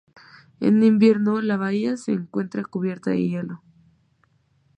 En invierno, la bahía se encuentra cubierta de hielo.